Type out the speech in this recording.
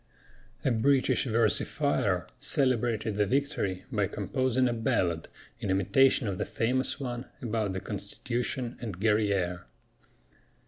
A British versifier celebrated the victory by composing a ballad in imitation of the famous one about the Constitution and Guerrière.